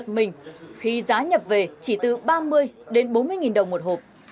nhiều người giật mình khi giá nhập về chỉ từ ba mươi đến bốn mươi nghìn đồng một hộp